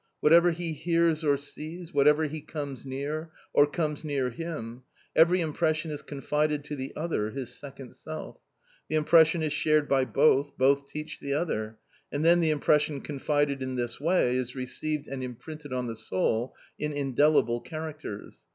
Whatever he hears or sees, whatever he comes near, or comes near him, every impression is confided to the other, his second self; the impression is shared by both, both teach each other, and then the impression confided in this way is received and imprinted on the soul in indelible characters.